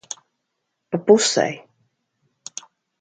Pa pusei.